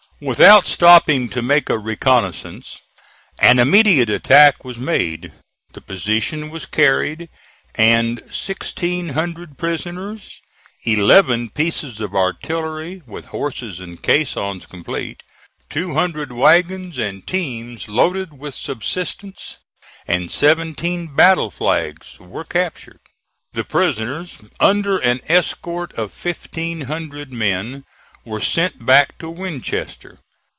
Without stopping to make a reconnoissance, an immediate attack was made, the position was carried, and sixteen hundred prisoners, eleven pieces of artillery, with horses and caissons complete, two hundred wagons and teams loaded with subsistence, and seventeen battle flags, were captured. The prisoners, under an escort of fifteen hundred men, were sent back to Winchester.